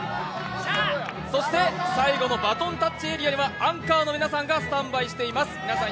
そして最後のバトンタッチエリアにはアンカーの皆さんがスタンバイしています。